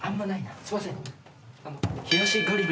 すいません。